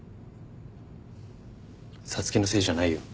皐月のせいじゃないよ。